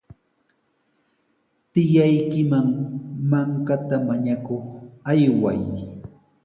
Tiyaykiman mankata mañakuq ayway.